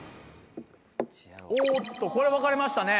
おっとこれ分かれましたね。